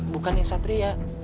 bukan yang satria